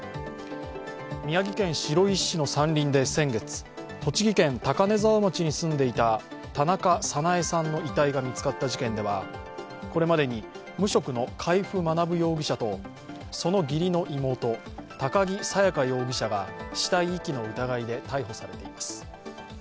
宮城県白石市の山林で先月栃木県高根沢町に住んでいた田中早苗さんの遺体が見つかった事件では、これまでに無職の海部学容疑者とその義理の妹高木沙耶花容疑者が死体遺棄の疑いで逮捕されています。